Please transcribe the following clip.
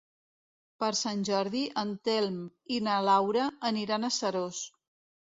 Per Sant Jordi en Telm i na Laura aniran a Seròs.